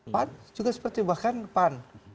pan juga seperti bahkan pan